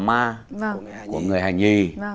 tết gầm của người hà nhi